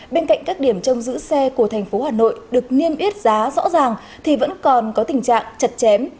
bên cạnh các điểm trong giữ xe của tp hà nội được niêm yết giá rõ ràng thì vẫn còn có tình trạng chật chém